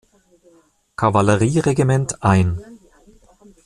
Kavallerieregiment ein.